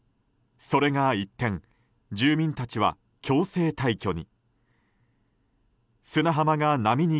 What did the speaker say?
それが一転住民たちは強制退去に。